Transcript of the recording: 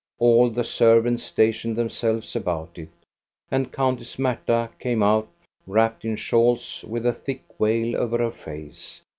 All the servants stationed themselves about it, and Countess Marta came out wrapped in shawls with a thick veil over her face.